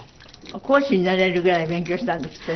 講師になれるぐらい勉強したんですってね。